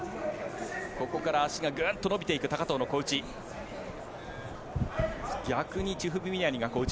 ここから足がグンと伸びていく高藤の小内。